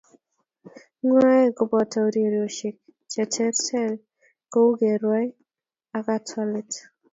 Ng'waek ko boto urerioshek cheterter kou kerwai ak katwalet